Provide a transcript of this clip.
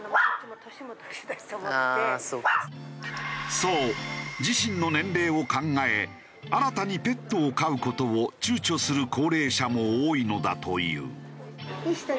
そう自身の年齢を考え新たにペットを飼う事を躊躇する高齢者も多いのだという。